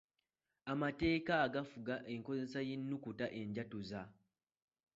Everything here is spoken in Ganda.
Amateeka agafuga enkozesa y’ennukuta enjatuza.